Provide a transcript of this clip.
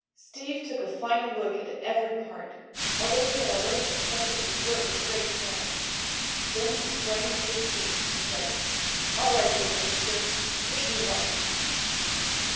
Steve took a final look at every part, although he had already inspected his work with great care. Then he sprang into the seat and said: "All right, little sister. Wish me luck!"